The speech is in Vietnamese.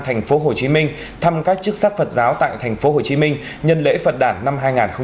tp hcm thăm các chức sát phật giáo tại tp hcm nhân lễ phật đảng năm hai nghìn hai mươi hai